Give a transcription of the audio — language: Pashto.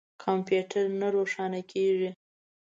کمپیوټر نه روښانه کیږي